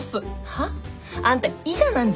はっ？あんた伊賀なんじゃないの？